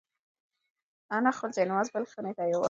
انا خپل جاینماز بلې خونې ته یووړ.